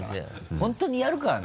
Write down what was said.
本当にやるからな！